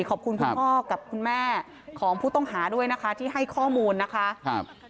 ขอบคุณคุณพ่อกับคุณแม่ของผู้ต้องหาด้วยนะคะที่ให้ข้อมูลนะคะครับ